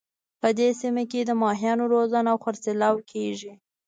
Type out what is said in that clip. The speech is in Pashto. په دې سیمه کې د ماهیانو روزنه او خرڅلاو کیږي